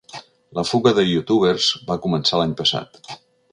La fuga de youtubers va començar l’any passat.